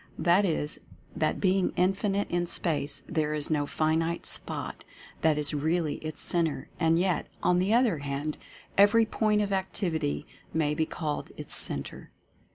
That is, that being Infinite in Space, there is no finite spot that is really its Centre, and yet, on the other hand, every Point of Activity may be called its Centre.